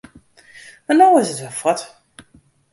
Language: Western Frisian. Mar no is it wer fuort.